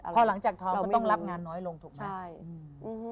พอหลังจากท้องก็ต้องรับงานน้อยลงถูกไหม